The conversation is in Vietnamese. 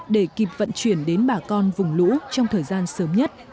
để kịp vận chuyển đến bà con vùng lũ trong thời gian sớm nhất